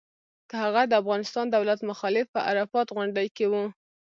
که هغه د افغانستان دولت مخالف په عرفات غونډۍ کې و.